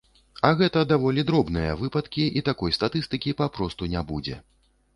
А гэта даволі дробныя выпадкі, і такой статыстыкі папросту не будзе.